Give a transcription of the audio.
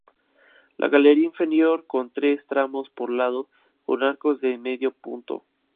La galería inferior con tres tramos por lado con arcos de medio punto.